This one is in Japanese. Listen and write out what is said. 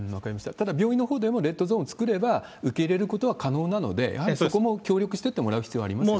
ただ、病院のほうでもレッドゾーンを作れば受け入れることは可能なので、やはりそこも協力してってもらう必要ありますよね。